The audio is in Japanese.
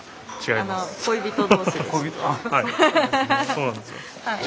そうなんですよ。